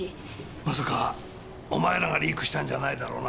まさかお前らがリークしたんじゃないだろうな？